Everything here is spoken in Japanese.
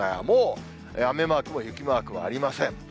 もう、雨マークも雪マークはありません。